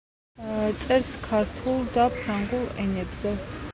წერს ქართულ და ფრანგულ ენებზე.